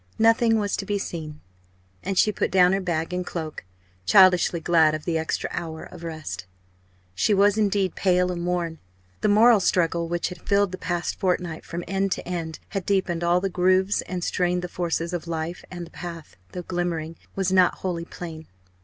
Nothing was to be seen; and she put down her bag and cloak, childishly glad of the extra hour of rest. She was, indeed, pale and worn. The moral struggle which had filled the past fortnight from end to end had deepened all the grooves and strained the forces of life; and the path, though glimmering, was not wholly plain.